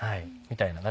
みたいな。